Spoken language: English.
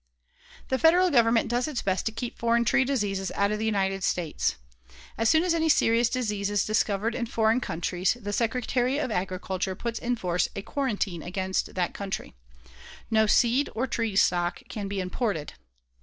The Federal Government does its best to keep foreign tree diseases out of the United States. As soon as any serious disease is discovered in foreign countries the Secretary of Agriculture puts in force a quarantine against that country. No seed or tree stock can be imported.